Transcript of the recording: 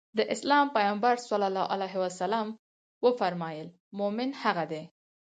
د اسلام پيغمبر ص وفرمايل مومن هغه دی.